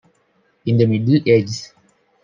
In the Middle Ages.